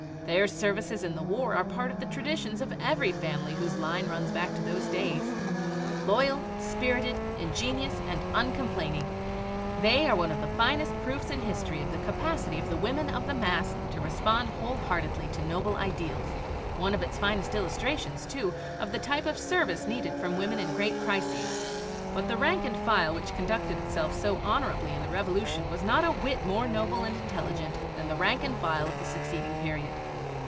Their services in the war are part of the traditions of every family whose line runs back to those days. Loyal, spirited, ingenious, and uncomplaining, they are one of the finest proofs in history of the capacity of the women of the mass to respond whole heartedly to noble ideals, one of the finest illustrations, too, of the type of service needed from women in great crises. But the rank and file which conducted itself so honorably in the Revolution was not a whit more noble and intelligent than the rank and file of the succeeding period.